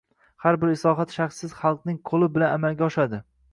Har bir islohot shaksiz xalqning qo‘li bilan amalga oshadi.